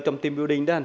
trong team building đó